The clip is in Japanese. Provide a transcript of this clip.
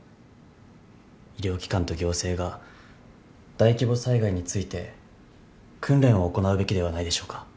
医療機関と行政が大規模災害について訓練を行うべきではないでしょうか。